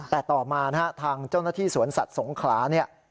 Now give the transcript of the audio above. แต่ต่อมาทางเจ้าหน้าที่สวนสัตว์สงครา